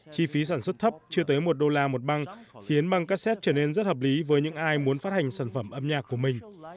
chi phí sản xuất thấp chưa tới một đô la một băng khiến bang cassette trở nên rất hợp lý với những ai muốn phát hành sản phẩm âm nhạc của mình